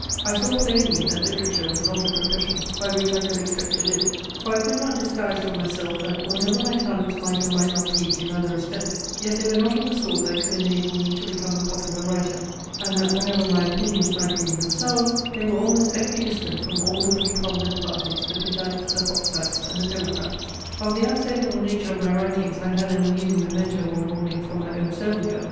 I saw plainly, that literature was not a profession, by which I could expect to live; for I could not disguise from myself, that, whatever my talents might or might not be in other respects, yet they were not of the sort that could enable me to become a popular writer; and that whatever my opinions might be in themselves, they were almost equi distant from all the three prominent parties, the Pittites, the Foxites, and the Democrats. Of the unsaleable nature of my writings I had an amusing memento one morning from our own servant girl.